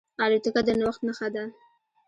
الوتکه د نوښت نښه ده.